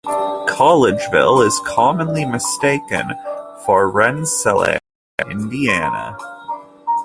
Collegeville is commonly mistaken for Rensselaer, Indiana.